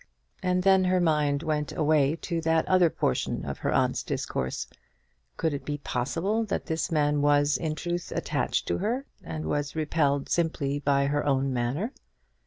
And then her mind went away to that other portion of her aunt's discourse. Could it be possible that this man was in truth attached to her, and was repelled simply by her own manner?